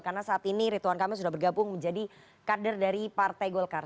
karena saat ini rituan kamil sudah bergabung menjadi kader dari partai golkar